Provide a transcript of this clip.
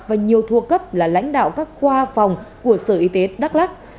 và nhiều thua cấp là lãnh đạo các khoa phòng của sở y tế đắk lắc